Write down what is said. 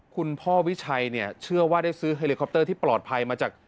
คุณพ่อวิชัยเนี่ยเชื่อว่าได้ซื้อเฮลิคอปเตอร์ที่ปลอดภัยมาจาก